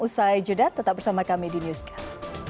usai jeda tetap bersama kami di newscast